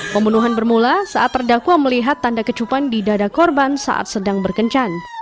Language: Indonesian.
pembunuhan bermula saat terdakwa melihat tanda kecupan di dada korban saat sedang berkencan